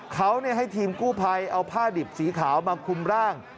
เขาให้ทีมกู้ภัยเอาผ้าดิบสีขาวมาคุมร่าง